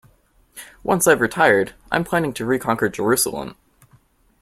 Once I've retired, I'm planning to reconquer Jerusalem.